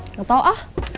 nggak tau ah